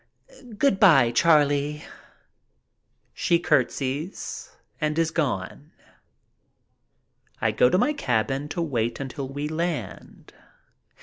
Good by, Charlie." She curtsies and is gone. I go to my cabin to wait until we can land.